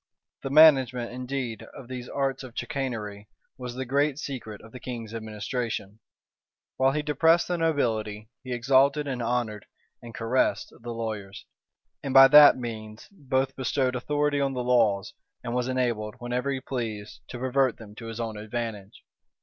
The management, indeed, of these arts of chicanery, was the great secret of the king's administration. While he depressed the nobility, he exalted, and honored, and caressed the lawyers; and by that means both bestowed authority on the laws, and was enabled, whenever he pleased, to pervert them to his own advantage.